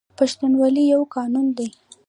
پښتونولي یو قانون دی